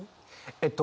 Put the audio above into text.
えっと